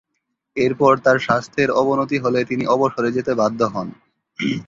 এরপর তার স্বাস্থ্যের অবনতি হলে তিনি অবসরে যেতে বাধ্য হন।